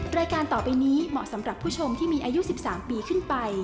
รายการต่อไปนี้เหมาะสำหรับผู้ชมที่มีอายุ๑๓ปีขึ้นไป